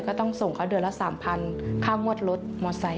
ก็ต้องส่งเขาเดือนละ๓๐๐ค่างวดรถมอเซ